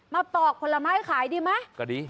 ปอกผลไม้ขายดีไหมก็ดี